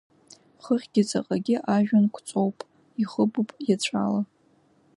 Хыхьгьы ҵаҟагьы ажәҩан қәҵоуп, ихыбуп еҵәала.